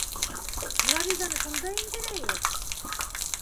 Флориданы шунда индерәйек!